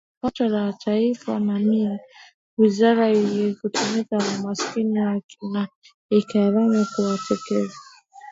pato la taifa Naamni wizara ikitumia umakini na ikamamu kuwekeza wasanii wa Tanzania wataweza